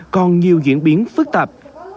còn nhiều diễn biến phức tạp